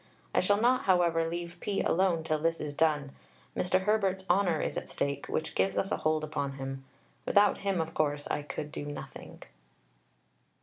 I shall not, however, leave P. alone till this is done. Mr. Herbert's honour is at stake, which gives us a hold upon him. Without him, of course, I could do nothing.